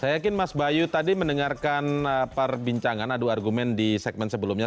saya yakin mas bayu tadi mendengarkan perbincangan adu argumen di segmen sebelumnya